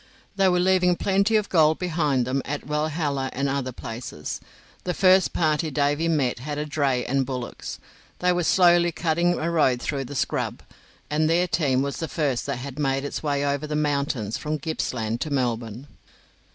They were leaving plenty of gold behind them at Walhalla and other places. The first party Davy met had a dray and bullocks. They were slowly cutting a road through the scrub, and their team was the first that made its way over the mountains from Gippsland to Melbourne.